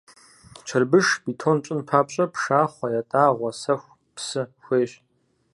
Чырбыш, бетон щӀын папщӀэ пшахъуэ, ятӀагъуэ, сэху, псы хуейщ.